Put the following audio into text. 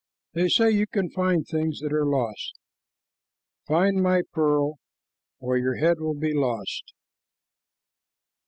They say you can find things that are lost. Find my pearl, or your head will he lost."